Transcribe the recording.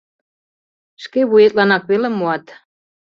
Шке вуетланак веле муат.